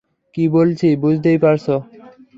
কী বলছি বুঝতেই পারছো?